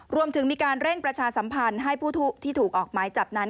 รวมถึงมีการเร่งประชาสัมพันธ์ให้ผู้ที่ถูกออกหมายจับนั้น